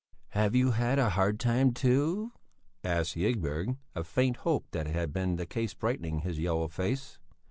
"Have you had a hard time, too?" asked Ygberg, a faint hope that it had been the case brightening his yellow face.